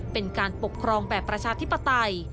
เป็นการปกครองแบบประชาธิปไตย